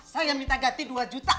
saya yang minta ganti dua juta